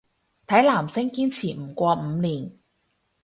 睇男星堅持唔過五年